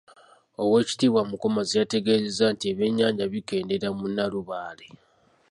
Owekitiibwa Mukomazi yategeezezza nti ebyenyanja bikeendeera mu Nnalubaale.